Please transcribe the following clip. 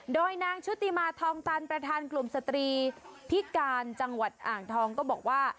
โดยนางชุติมาทองตันประธานกลุ่มสตรีพิการจังหวัดอ่างทองก็บอกว่า